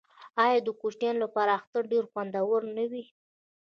آیا د کوچنیانو لپاره اختر ډیر خوندور نه وي؟